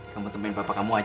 kamu temenin bapak kamu aja